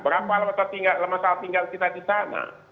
berapa masalah tinggal kita di sana